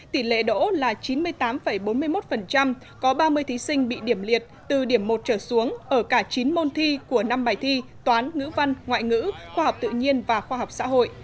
tỷ lệ đỗ là chín mươi tám bốn mươi một có ba mươi thí sinh bị điểm liệt từ điểm một trở xuống ở cả chín môn thi của năm bài thi toán ngữ văn ngoại ngữ khoa học tự nhiên và khoa học xã hội